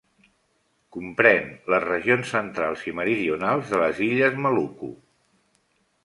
Comprèn les regions centrals i meridionals de les illes Maluku.